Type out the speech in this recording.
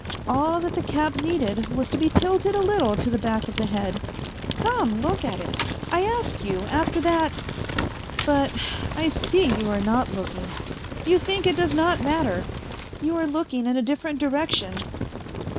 ... All that the cap needed was to be tilted a little to the back of the head ; come, look at it ; I ask you, after that ... but I see you are not looking .. you think it does not matter. You are looking in a different direction.